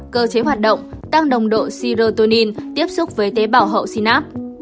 cơ chế hoạt động tăng đồng độ serotonin tiếp xúc với tế bảo hậu sináp